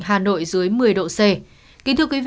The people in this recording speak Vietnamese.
hà nội dưới một mươi độ c